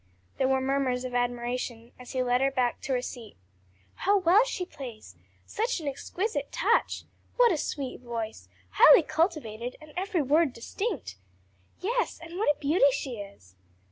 There were murmurs of admiration as he led her back to her seat. "How well she plays! such an exquisite touch!" "What a sweet voice! highly cultivated, and every word distinct." "Yes, and what a beauty she is!"